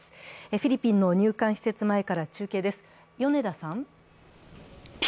フィリピンの入管施設前から中継です。